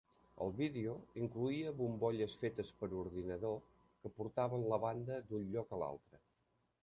El vídeo incloïa bombolles fetes per ordinador que portaven la banda d'un lloc a un altre.